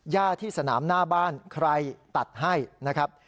ย่าที่สนามหน้าบ้านใครตัดให้นะครับ